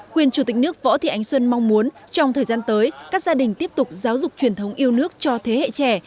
quyền chủ tịch nước võ thị ánh xuân mong muốn trong thời gian tới các gia đình tiếp tục giáo dục truyền thống yêu nước cho thế hệ trẻ